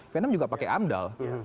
vietnam juga pakai amdal